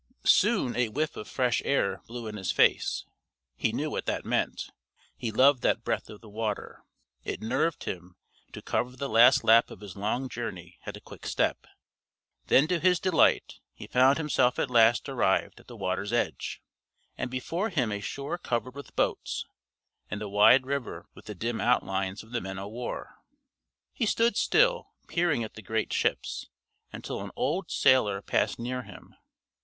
Soon a whiff of fresh air blew in his face. He knew what that meant; he loved that breath of the water; it nerved him to cover the last lap of his long journey at a quick step. Then to his delight, he found himself at last arrived at the water's edge, and before him a shore covered with boats, and the wide river with the dim outlines of the men o' war. He stood still, peering at the great ships, until an old sailor passed near him.